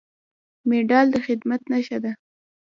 مډال د خدمت نښه ده